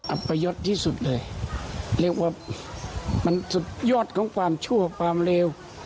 อัปยศที่สุดเลยเรียกว่ามันสุดยอดของความชั่วความเลว